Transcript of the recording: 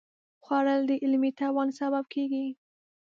خوړل د علمي توان سبب کېږي